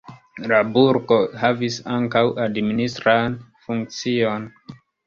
La burgo havis ankaŭ administran funkcion.